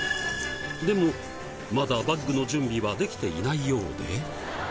でもまだバッグの準備はできていないようで。